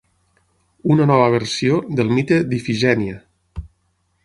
Una nova versió del mite d'Ifigènia.